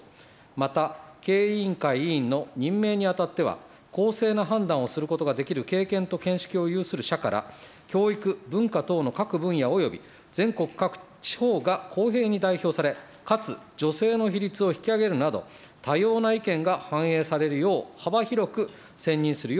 また、経営委員会委員の任命にあたっては、公正な判断をすることができる経験と見識を有する者から、教育、文化等の各分野および全国各地方が公平に代表され、かつ女性の比率を引き上げるなど、多様な意見が反映されるよう、幅広く選任するよう努めること。